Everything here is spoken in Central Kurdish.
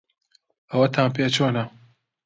ئەوەتان پێ چۆنە؟